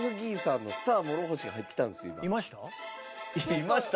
「いました？」